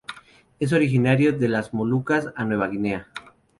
Es originario de las Molucas a Nueva Guinea.